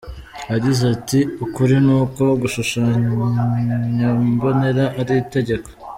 Yagize ati “Ukuri ni uko igishushanyombonera ari itegeko.